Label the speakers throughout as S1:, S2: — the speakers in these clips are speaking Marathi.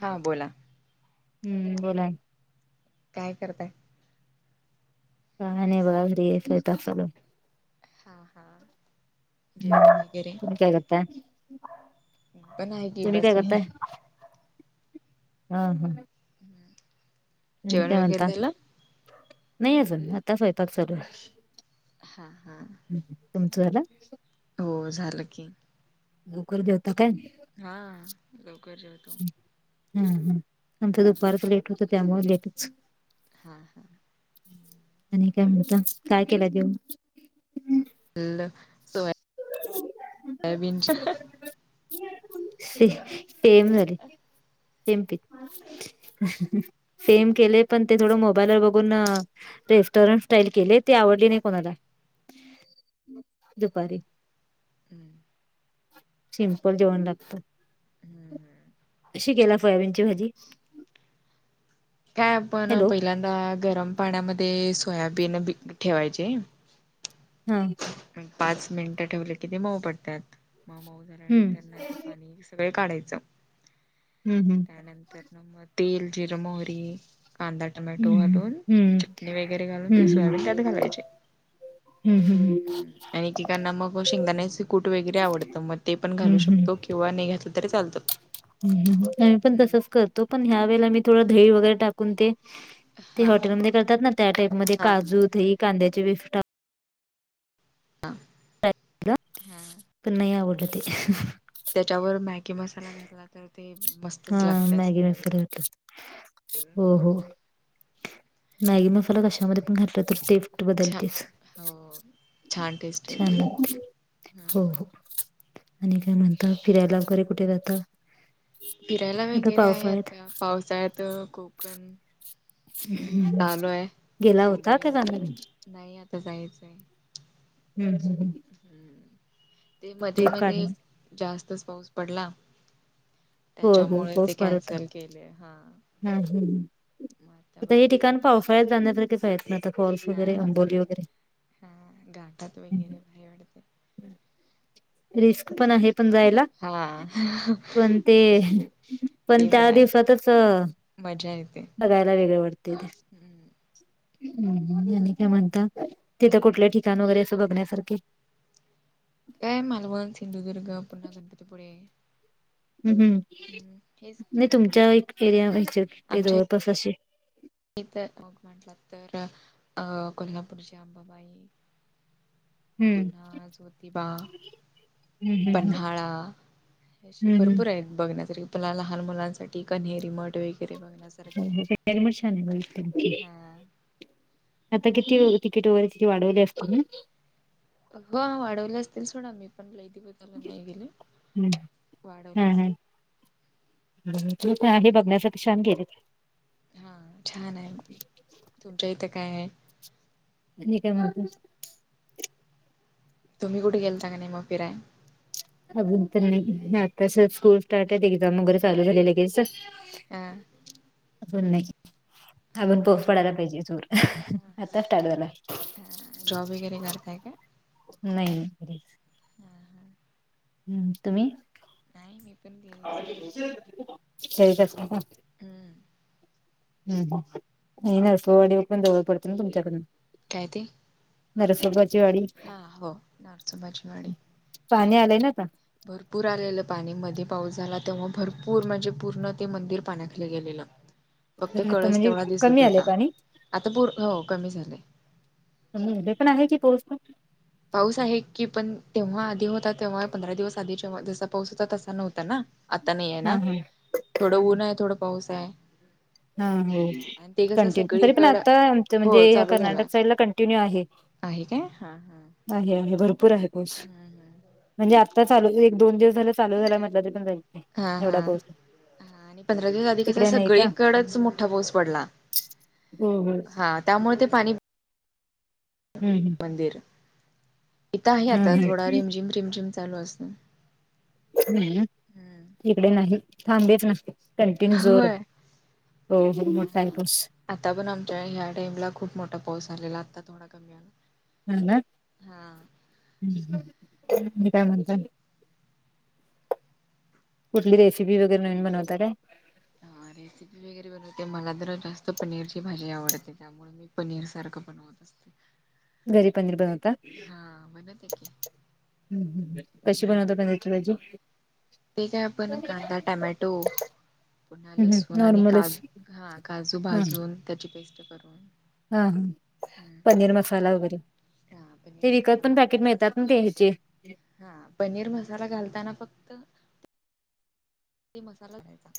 S1: हा बोला.
S2: हम्म बोला.
S1: काय करताय?
S2: [unintelligible]
S1: हा हा जेवण
S2: हम्म
S1: वगैरे
S2: तुमच्या ह्यांच्यात काय?
S1: मी पण आहे की
S2: तुम्ही काय
S1: बसले आहे.
S2: हम्म-हम्म
S1: हम्म
S2: आणि काय म्हणता नाही अजून आता स्वयंपाकाय सुरू आहे.
S1: हा-हा.
S2: हम्म तुमचा झाला?
S1: हो झालं की.
S2: लवकर जेवता काय?
S1: हा लवकर जेवतो.
S2: हम्म-हम्म आमचं
S1: हम्म
S2: दुपारच लेट होत त्यामुळे लेटच.
S1: हा-हा.
S2: आणि काय म्हणता... काय केलं जेवूण?
S1: [unintelligible] सोया... सोयाबीनच्या
S2: से... सेम झालं... सेम पिंच. सेम केले... पण ते थोडं मोबाईलवर बघून रेस्टॉरंट स्टाईल केले... ते आवडले नाही कोणाला. दुपारी.
S1: हम्म.
S2: सिंपल जेवण लागतं...
S1: हम्म हम्म
S2: कशी केला सोयाबीनची भाजी?
S1: काय आपण...
S2: हॅलो
S1: पहिल्यांदा गरम पाण्यामध्ये... सोयाबीन ठेवायचे
S2: हूं.
S1: ग पाच मिनिटं ठेवले कि ते मऊ पडतात... म... मऊ
S2: हम्म
S1: झाल्यांनंतर त्यांना ते पाणी सगळं काढायचं
S2: हूं हूं.
S1: त्यानंतर न... मग तेल, जिरं, मोहरी कांदा टमॅटो
S2: हं,
S1: घालून...
S2: हं, हं,
S1: चटणी वगैरे घालून ते सोयाबीन त्यात घालायचे
S2: हूं हूं हूं.
S1: आणिेकांना मग शेंगदाण्याच कूट वगैरे आवडतं... मग ते पण
S2: हं,
S1: घालू
S2: हं. हं,
S1: शकतो. किंवा नाही घातलं तरी चालतं.
S2: आम्ही पण
S1: हम्म
S2: तसच करतो, पण ह्या वेलेला मी थोडं दही वगैरे टाकून ते ते
S1: हा
S2: हॉटेलमध्ये करतात ना त्या टाईपमध्ये...
S1: हा
S2: काजू, दही कांद्याचे विफ-
S1: हा...
S2: टाकलं
S1: हा.
S2: पण नाई आवडलं ते.
S1: त्याच्यावर मॅगी मसाला घातला... तर ते
S2: हा
S1: मस्तच लागते सोयाबिन.
S2: [unintelligible] हो हो... म्यॅगी मसाला कशामध्ये पण घातला... तर टेस्ट
S1: छान
S2: बदलतेच.
S1: हो छान टेस्ट
S2: छान
S1: येते.
S2: लागते... हो
S1: हम्म
S2: हो... आणि काय म्हणता... फिरायला वगैरे कुठे जाता?
S1: फिरायला
S2: आता
S1: वगैरे आहे
S2: पावसाळ्यात
S1: आता पावसाळ्यात... कोकण
S2: हूं.
S1: चालू आहे... बघूया आता... नाही आता जायचंय.
S2: हूं हूं हूं.
S1: हूं... ते मध्ये मध्ये
S2: काढून.
S1: जास्तच पाऊस पडला
S2: हो, हो.
S1: त्याच्यामुळे ते
S2: पाऊस फार होता.
S1: कॅन्सल केले हा
S2: हं... हम्म... हूं...
S1: मग
S2: आता हे
S1: बघायचं
S2: ठिकाण पावसाळ्यात जाण्यासारखेच आहेत ना आता फॉल्स
S1: हा
S2: वगैरे आंबोली वगैरे
S1: हा... घाटात वगैरे भारी वाटते.
S2: रिस्क पण आहे... पण जायला
S1: हा
S2: पण ते...
S1: होय
S2: पण
S1: ते
S2: त्या
S1: आहे
S2: दिवसातच
S1: मजा येते.
S2: बघायला वेगळं वाटतंय ते.
S1: हम्म
S2: हूं... आणि काय म्हणता... तिथं कुठले ठिकाण वगैरे असं बघण्यासारखे
S1: काय... मालवण सिंधुदुर्ग, पुन्हा गणपतीपुळे
S2: हम्म...
S1: हेच
S2: नाही...
S1: की
S2: तुमच्या एक एरिया... ह्याच्या
S1: आमच्या
S2: जवळपास असे
S1: इथं मग म्हटलं तर... अ... कोल्हापूरची अंबाबाई
S2: हम्म
S1: पुन्हा ज्योतिबा
S2: हम्म
S1: पन्हाळा... असे
S2: हम्म
S1: भरपूर ए. बघण्यासारखला लहान मुलांसाठी कन्हेरि मठ वगैरे
S2: हो
S1: बघण्यासारखे आहे.
S2: म ान
S1: हा
S2: आता किती तिकीट वगैरे तिती वाढवले असते ना
S1: अ वाढवले असतील सोडा मी पण लई बघ त्याला नाही गेले
S2: हम्म
S1: वाढवले असं
S2: ह तू का आहे बघण्यासाठी्छान गेले
S1: हा छान आहे तुमच्या इथं काय आहे
S2: क काय म
S1: तुम्ही कुठे गेलाता की नाही मग फिराय
S2: अजून तर नाही आता स्कूल स्टार्ट आहे एक्झाम वगैरे चालू झालेले क
S1: हा
S2: अन अजून पाऊस
S1: म्हणजे
S2: पडायला पाहिजे जोर आता स्टार्ट झाला
S1: हा जॉब वगैरे करताय का
S2: नाही
S1: हा
S2: हम्म तुम्ही
S1: नाही मी पण घ
S2: स कच
S1: हम
S2: हम् नर्सवाडीवर पण जवळ पडत ना तुमच्याकडनं
S1: कायती
S2: नरसोबाची वाडी
S1: हा हो नरसोबाची वाडी
S2: पाणी आलंय ना का
S1: भरपूर आलेलं पाणी मध्ये पाऊस झाला तेव्हा भरपूर म्हणजे पूर्ण ते मंदिर पाण्याखाली गेलेलं फक्त
S2: आता
S1: कळस
S2: म्हणजे
S1: तेवढा
S2: कमी
S1: दिसत
S2: आलंय
S1: होता
S2: पाणी
S1: आता पूर्ण कमी झाले
S2: ह् पण आहे की तोच
S1: पाऊस आहे की पण तेव्हा आधी होता तेव्हा पंधरा दिवस आधी जेव्हा जसा पाऊस होता तसा नव्हता ना आता नाही आहे
S2: हा
S1: ना
S2: हा
S1: थोडं
S2: हा हा
S1: ऊन आहे थोडं पाऊस आहे
S2: हा हो
S1: आणि ते कसं
S2: कंटिन्यू तरी पण
S1: सगळीकड
S2: आता आमच म्हणजे
S1: हो
S2: ह
S1: चालू झालाय
S2: कर्नाटक साईडला कंटिन्यू आहे
S1: आहे काय हा हा
S2: नाही आहे भरपूर आहे पाऊस म्हणजे आत्ता चालू एक दोन दिवस झाल चालू झाल मधलं ते पण जाईल
S1: हा हा
S2: एवढा पाऊस
S1: ह आणि पंधरा दिवस आधी कसा
S2: तिकडे नाही का
S1: सगळीकडेच मोठा पाऊस पडला
S2: हो हो
S1: हा त्यामुळे ते पाणी
S2: हम् हम
S1: मंदिर इथं आहे आता
S2: हम्
S1: थोडा रिमझिम रिमझिम चालू असत
S2: हम् इकडे नाही थांबेच न कंटिन्यू जोर आहे
S1: होय
S2: हो हो मोईपस
S1: आता पण आमच्या ह्या टाइम ला खूप मोठा पाऊस झालेला आता थोडा कमीला
S2: ह ना काय म्हणत कुठली रेसिपी वगैरे नवीन बनवतात काय
S1: रेसिपी वगैरे बनवते मला तरर जास्त पनीरची भाजी आवडते त्यामुळे मी पनीर सारखं बनवत असते
S2: घरी पनीर बनवता
S1: हा बनवते की
S2: हम हम ह कशी
S1: हम्म
S2: बनवता तुम्ही? [unintelligible]
S1: ते काय आपण कांदा टोमॅटो - - पुन्हा लसूण आणि का
S2: नॉर्मलच
S1: हा काजू
S2: हा
S1: भाजून त्याची पेस्ट करून
S2: हा हा
S1: हम्म
S2: पनीर मसाला वगैरे
S1: हा पनीर
S2: ते विकत पण
S1: मसाला
S2: पॅकेट मिळतात ना ते ह्याचे
S1: हा पनीर मसाला घालताना फक्त ते मसाला द्यायचा.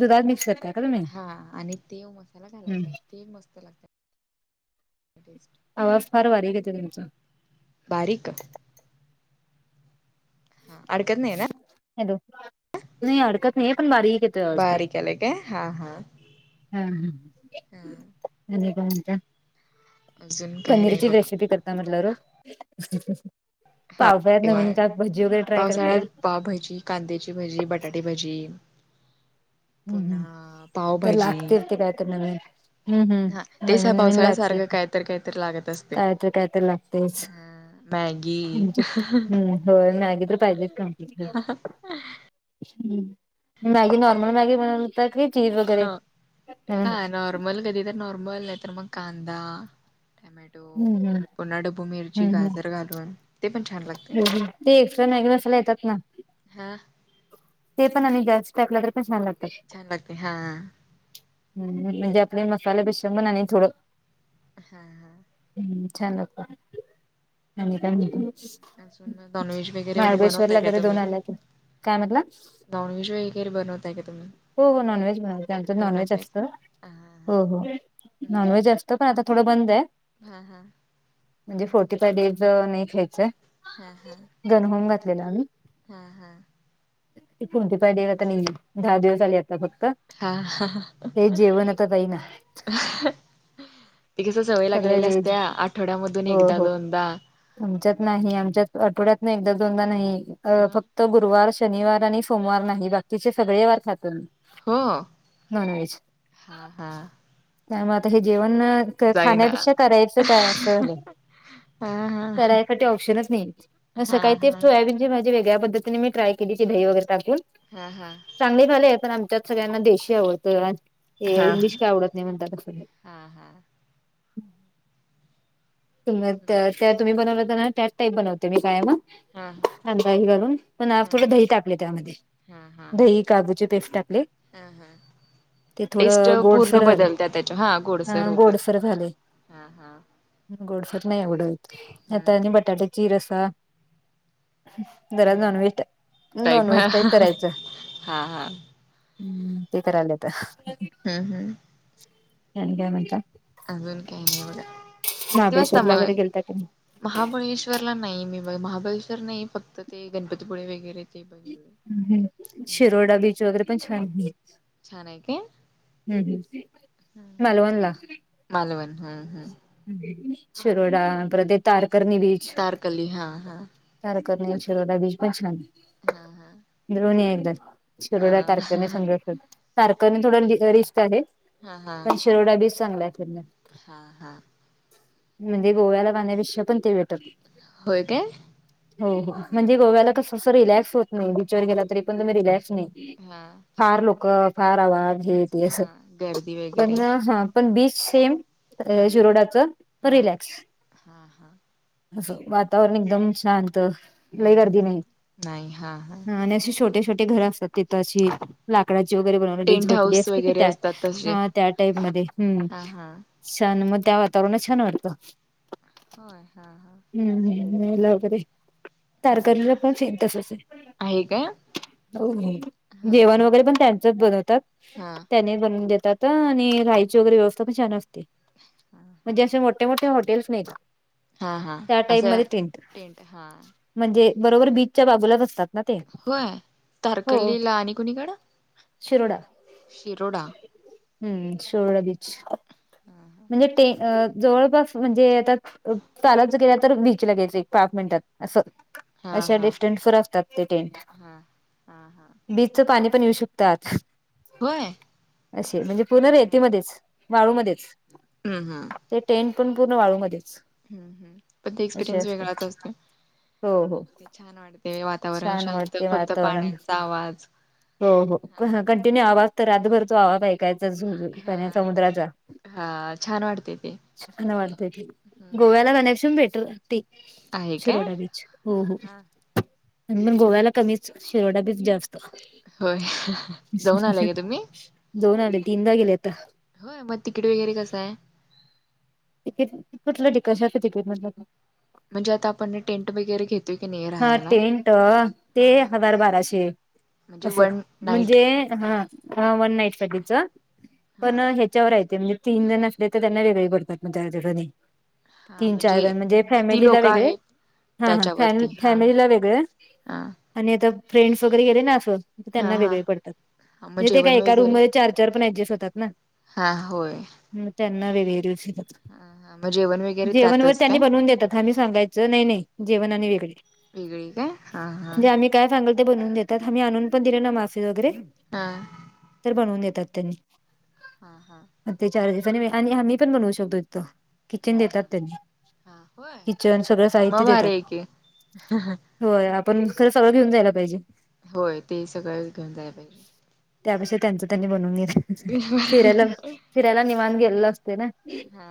S2: दुधात मिक्स करतात.
S1: हा आणि तेव मसाला घालायचा ते मस्त लागतात. [inaudible]
S2: आवाज फार बारीक येतो तुमचा.
S1: बारीक. हा अडकत नाही ना?
S2: हॅलो नाही अडकत नाही पण बारीक येतोय आवाज पण.
S1: बारीक यायला का हा हा.
S2: हा हा
S1: हा
S2: आणि काय म्हणता?
S1: अजून काही नाही
S2: पनीरची
S1: बघा
S2: रेसिपी करता म्हटलं रोज पावसाळ्यात नवीन काय भज्जी वगैरे ट्राय करता काय?
S1: पावभजी, कांद्याची भजी, बटाटे भजी.
S2: हम्म हम्म तर
S1: पावभाजी
S2: लागतेर काय ते नवीन. हम्म
S1: हा
S2: हम्म
S1: तेच
S2: नवीन नवीन
S1: पावसाळ्यासारखं
S2: लागतेत
S1: कायतर कायतर लागत असते
S2: काय तर काय तर लागतेच.
S1: हा मॅगी
S2: आमच्यात हम्म. होय मॅगी तर पाहिजे [unintelligible] मॅगी नॉर्म हम्म मॅगी बनवता की चीज वगैरे
S1: न
S2: हम्म.
S1: हा नॉर्मल कधी तर नॉर्मल नाही तर मग कांदा टोमॅटो
S2: हम् हम्म.
S1: पुन्हा डबू मिरची
S2: हम्म
S1: गाजर घालून ते पण छान लागतय.
S2: हम्म ते एक्स्ट्रा मॅगी मसाला येतात ना
S1: हा.
S2: ते पण आणि जास्त टाकल तर कशाला?
S1: छान लागतय हा.
S2: हम म्हणजे आपले मसाला बेसन बन आणि थोडं
S1: हां हां.
S2: हम्म छान लागत आणि काय म्हणता?
S1: अजून नॉनव्हेज वगैरे
S2: महाबळेश्वरला
S1: बनवताय का
S2: वगैरे जाऊन
S1: तुम्ही
S2: आला काय? काय म्हंटला?
S1: नॉनव्हेज वैगेरे बनवताय का तुम्ही?
S2: हो हो नॉनव्हेज बनवतो आमच्यात नॉनव्हेज
S1: बनवताय का?
S2: असतं. हो हो नॉनव्हेज असत पण आता थोडं बंदाय.
S1: हां हां.
S2: म्हणजे फोर्टी फाय डेज नाही खायच
S1: हा हा हा
S2: गन होम घातलेल आम्ही.
S1: हा हा.
S2: ते फोर्टी फाय डेज आता नई दहा दिवस झाले आता फक्त.
S1: हा हा.
S2: ते जेवण आता जाई ना
S1: हा - ते कसं सवय
S2: सगळं
S1: लागलेल्या
S2: व्हेज
S1: असत्या आठवड्यामधून
S2: हो
S1: एकदा
S2: हो
S1: दोनदा.
S2: आमच्यात नाही आमच्यात आठवड्यातन एकदा दोनदा नाही अ
S1: मग
S2: फक्त त गुरुवार शनिवार आणि सोमवार नाही बाकीचे सगळे वार खातो मी.
S1: हो
S2: नॉनव्हेज
S1: हां हां.
S2: त्यामुळे आता हे जेवण
S1: जाईना
S2: खाण्यापेक्षा करायचं काय असं.
S1: हा हा हा
S2: करायसाठी ऑप्शनच नाही मग
S1: हा
S2: सकाळी तेच सोयाबीन ते माझ्या वेगळ्या पद्धतीने मी ट्राय केली ते दही वगैरे टाकून.
S1: हां हां.
S2: चांगले भले आहे पण आमच्यात सगळ्यांना देशी आवडतं हे इंग्लिश काय आवडत नाही म्हणतात क सगळे.
S1: हां हां.
S2: [unintelligible] तुम त्या त्या तुम्ही बनवलं होता ना त्याच टाईप बनवते मी कायम.
S1: हा
S2: अंदाजे हे घालून पण थोडं दही टाकले त्यामध्ये. दही काजूची पेस्ट ची टाकली.
S1: हां हां.
S2: ते थोडं गोडसर झालं हां गोडसर झालंय.
S1: हां हां.
S2: गोडसर नाही आवडतं यात आणि
S1: हम्म
S2: बटाट्याची रसा जरा
S1: हम्म
S2: नॉनव्हेज
S1: टाईप
S2: नॉनव्हेज
S1: हा
S2: टाइप
S1: हा
S2: करायचं.
S1: हा
S2: हम्म ते करायला येतं.
S1: हम्म हम्म.
S2: आणि काय म्हणता?
S1: अजून काही नाही बघा किती वाजता
S2: महाबळेश्वरला
S1: मग?
S2: वगैरे गेलता की
S1: महाबळेश्वरला नाही मी महाबळेश्वर नाही फक्त ते गणपतीपुळे वगैरे ते बघितले
S2: हम्म
S1: हम्म
S2: शिरोडा बीच वगैरे पण छान हम्म
S1: छान आहे काय
S2: हम्म मालवण ला.
S1: मालवण हम्म हम्म.
S2: शिरोडा परत ते तारकरर्णी बीच.
S1: कली हां हां.
S2: तारकर्ली शिरोडा बीज पण छान आहे.
S1: हां हां.
S2: द्रोणी आहे एकदा. शिरोडा तारकर्ली संग [unintelligible] तारकर्ली थोडा रिस्क आहे पण शि शिरोडा बी चांगल आहे [unintelligible]
S1: हां हां.
S2: म्हणजे गोव्याला जाण्यापेक्षा पण ते बेटर.
S1: होय काय?
S2: हो हो म्हणजे गोव्याला कसं असं रिलॅक्स होत नाही बीचवर गेला तरी पण तुम्ही रिलॅक्स नाही.
S1: हां.
S2: फार लोक, फार आवाज हे, ते
S1: हा
S2: असं.
S1: गर्दी
S2: त्यातन
S1: वगैरे
S2: हा पण बीच सेम
S1: हा
S2: शिरोडाच.
S1: हा
S2: रिलॅक्स
S1: हा हा
S2: असं, वातावरण एकदम शांत
S1: हम्म
S2: लय
S1: हम्म
S2: गर्दी नाही. हा आणि असे छोटे छोटे घर असतात तिथ अशी लाकडाची वगैरे बनव
S1: टेंट
S2: झोपडी
S1: हाऊस
S2: असते कि
S1: वगैरे
S2: त्या
S1: असतात तसे
S2: त्या टाईप मध्ये
S1: हा हा
S2: छान, मग त्या वातावरणात छान वाटतं
S1: होय, हा हा
S2: हम्म ह्म न्यायला वगैरे, तारकर्लीला पण सेम तसच ये.
S1: हे काय? हा हा
S2: जेवण वगैरे पण त्यांचच बनवतात?
S1: हा
S2: त्यानीच बनवून देतात. त आणि राहायची वगैरे व्यवस्था पण छान असते, म्हणजे असे मोठे-मोठे हॉटेल्स नाही का?
S1: हा हा
S2: त्या टाइम
S1: असं
S2: मध्ये, तीन्ट
S1: टेंट हा.
S2: म्हणजे, बरोबर बीजच्या बाजूलाच असतात. ना ते
S1: होय?
S2: हो
S1: तारकर्लीला आणि कुणीकडं?
S2: शिरोडा,
S1: शिरोडा
S2: हम्म, शिरोडा बीच.
S1: ह्म.
S2: म्हणजेे ते जवळपास, म्हणजे आता चालतच गेला तर बीच लागेच एक पाच मिनिटात. अस,
S1: हा
S2: अशा
S1: हा
S2: डिस्टन्स वर असतात ते टेंट.
S1: हा हा हा
S2: च पाणी पण येऊ शकत आत.
S1: होय हा
S2: अशे म्हणजे, पूर्ण रेतीमध्येच, वाळूमध्येच.
S1: हम् हम.
S2: ते टेंट पण पूर्ण वाळूमध्येच.
S1: हम्म हम, पण ते
S2: असे
S1: एक्सपिरियन्स
S2: असते
S1: वेगळाच असतो.
S2: हो हो
S1: छान वाटते, वातावरण
S2: छान
S1: शांत,
S2: वाटते
S1: फक्त पाण्याचा आवाज.
S2: हॊ हॊ हा कंटिन्यू आवाज त, रातभर तो आवाज अब त्याचा झू
S1: हा
S2: समुद्राचा,
S1: हा छान वाटते ते
S2: सुखान वाटतं ते.
S1: हम्म
S2: गोव्याला जाण्यापासून बेटर, ती
S1: आहे काय
S2: शिरोडा बीच, हो
S1: हा
S2: हो
S1: हा
S2: आणि मग गोव्याला कमीच, शिरोडा बीच जास्त
S1: होय, जाऊन आलाय काय तुम्ही?
S2: जाऊन आले, तीनदा गेले आता.
S1: होय, मग तिकीट वगैरे कसं आहे?
S2: तिकीट, कुठलं टि कशाच तिकीट म्हटलं?
S1: म्हणजे आता आपण टेंट वगैरे घेत
S2: हां टेंट, ते
S1: हा
S2: हजार बाराशे.
S1: म्हणजे
S2: असं,
S1: वन नाईट
S2: म्हणजे हं, हां वन नाईट साठीच, पण
S1: हा
S2: हे च्यावर हाय ते म्हणजे तीन जण असले, तर त्यांना वेगळे पडतात चार्जे आणि.
S1: हा
S2: तीन चार फॅन, म्हणजे
S1: किती
S2: फॅमिलीला
S1: लोक
S2: वेगळे,
S1: आहेत
S2: हा हा फॅन
S1: त्याच्यावरती हा
S2: फॅमिलीला वेगळं
S1: हा
S2: आणि आता फ्रेंड्स वगैरे गेले ना असं तर
S1: हा
S2: त्यांना
S1: हा
S2: वेगळे पडतात,
S1: हा मग
S2: म ते
S1: जेवण
S2: काय एका
S1: वगैरे
S2: रूममध्ये चार चार पण ऍडजस्ट होतात ना.
S1: हा होय.
S2: म त्यांना वेगळे रेट्स येतात.
S1: हा हा मग जेवण वगैरे
S2: जेवण व
S1: त्यातच
S2: त्यांनी
S1: काय
S2: बनवून देतात, आम्ही सांगायचं? नही नही जेवण आणि वेगळे.
S1: वेगळे काय? हां हां.
S2: म्हणजे आम्ही काय सांगेल ते बनवून देतात, आम्ही आणून पण दिले ना मासे वगैरे.
S1: हां.
S2: तर बनवून देतात त्यांनी.
S1: हां हां.
S2: ते चार्जेस आणि, आणि आमी पण बनवू शकतो इथं. किचन
S1: हा
S2: देतात
S1: हा
S2: त्यांनी,
S1: हा होय
S2: किचन सगळं साहित्य देतात.
S1: हां हां.
S2: होय, आपण खरं सगळं घेऊन जायला पाहिजे.
S1: होय, ते सगळंच घेऊन जायला पाहिजे.
S2: त्यापेक्षा त्यांचं त्यांनी बनवून घेत, फिरायला, फिरायला निवांत गेलेलं असतोय ना.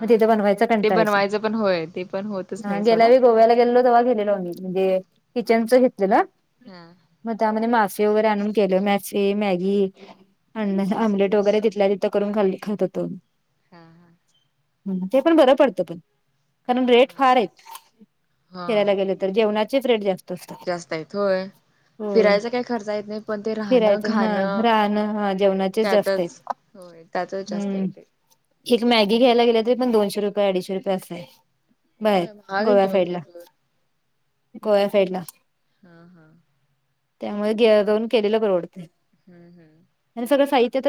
S2: मग तिथं बनवायच
S1: ते
S2: कंटाळा येतोय,
S1: बनवायचं पण होय ते पण होतच
S2: हा
S1: नाही
S2: गेल्या
S1: सोडा
S2: वेळी गोव्याला गेलेलो तेव्हा गेलेलो आम्ही म्हणजे किचनच घेतलेलं.
S1: हा
S2: मग त्यामध्ये मासे वगैरे आणून केलेलो मासे, मॅगी अ् आमलेट वगैरे तिथल्या तिथं करून गल्लीत खात होतो.
S1: हा हा
S2: ते पण बरं पडतं पण, कारण रेट फार
S1: हा
S2: आहेत फिरायला गेले तर जेवणाचेच रेट जास्त असतात.
S1: जास्त आहेत होय
S2: होय.
S1: फिरायचा काही खर्चा येत नाही पण ते राहणं
S2: फिरायचं हा
S1: खाणं
S2: राहणं हा जेवणाचेच जास्त आहेत
S1: त्यातच होय, त्याचंच जास्त
S2: हम्म.
S1: येतंय.
S2: एक मॅगी घ्यायला गेलं तरी पण दोनशे रुपये अडीचशे रुपये असं आहे बाहेर
S1: होय महाग आहे की
S2: गोव्या
S1: मग
S2: साईडला.
S1: भरपूर
S2: गोव्या साईडला,
S1: हा हा
S2: त्यामुळे गे जाऊन केलेलं परवडतय.
S1: हम्म हम्म
S2: आणि सगळं साहित्य तर